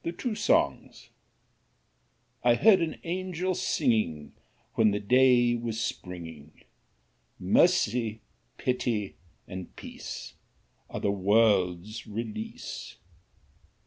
1757–1827) I HEARD an Angel singingWhen the day was springing:"Mercy, pity, and peace, Are the world's release."